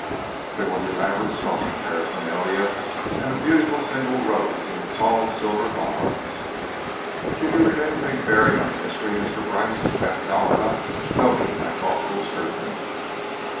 There was elaborate smoking paraphernalia and a beautiful single rose in a tall silver vase. "Can you read anything bearing on the mystery, Mr. Brice," asked Talcott, noting my thoughtful scrutiny.